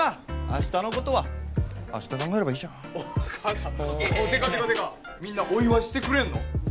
明日のことは明日考えればいいじゃんおっってかてかてかみんなお祝いしてくれんの？